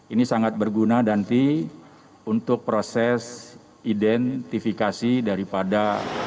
ini sangat berguna nanti untuk proses identifikasi daripada